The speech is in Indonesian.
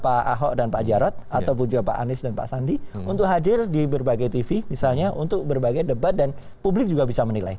pak ahok dan pak jarot ataupun juga pak anies dan pak sandi untuk hadir di berbagai tv misalnya untuk berbagai debat dan publik juga bisa menilai